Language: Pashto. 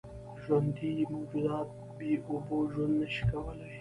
ژوندي موجودات بېاوبو ژوند نشي کولی.